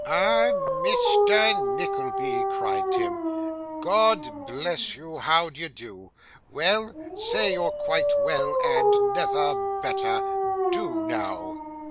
'Ah! Mr. Nickleby!' cried Tim, 'God bless you! how d'ye do? Well? Say you're quite well and never better. Do now.